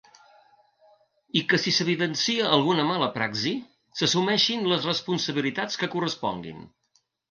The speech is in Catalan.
I que si s’evidencia alguna ‘mala praxi’, s’assumeixin les responsabilitats que corresponguin.